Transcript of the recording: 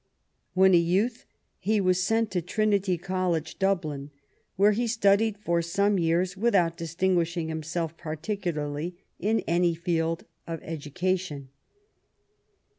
When a youth he was sent to Trinity College, Dublin, where he studied for some years without distinguish ing himself particularly in any field of education.